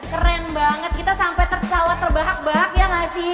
keren banget kita sampai tersawat terbahak bahak ya gak sih